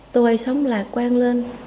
tôi hay sống lạc quan lên